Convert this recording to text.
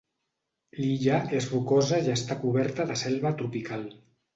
L'illa és rocosa i està coberta de selva tropical.